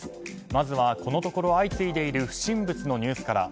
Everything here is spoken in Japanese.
まずは、このところ相次いでいる不審物のニュースから。